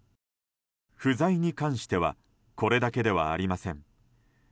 不在に関してはこれだけではありません。